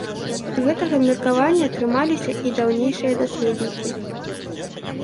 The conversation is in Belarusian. Гэтага меркавання трымаліся і даўнейшыя даследнікі.